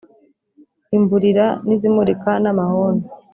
imburira n' izimurika n' amahoni